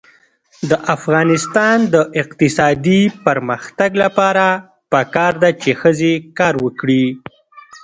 د افغانستان د اقتصادي پرمختګ لپاره پکار ده چې ښځې کار وکړي.